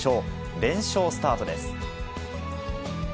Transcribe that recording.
連勝スタートです。